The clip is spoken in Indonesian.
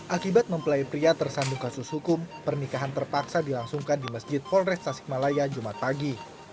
akibat mempelai pria tersandung kasus hukum pernikahan terpaksa dilangsungkan di masjid polres tasikmalaya jumat pagi